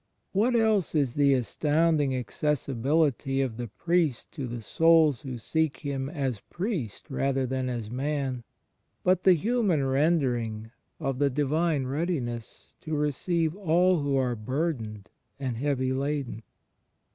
What else is the astoimding accessibility of the priest to the souls who seek him as priest rather than as man, but the human rendering of the Divine readiness to receive all who are burdened and heavy laden?